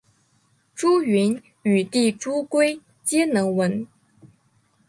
朱筠与弟朱圭皆能文。